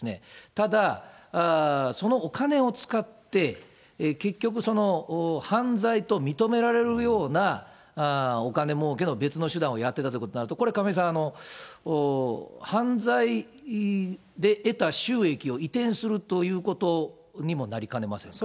ただ、そのお金を使って、結局、犯罪と認められるようなお金儲けの別の手段をやってたということになると、これ亀井さん、犯罪で得た収益を移転するということにもなりかねませんか。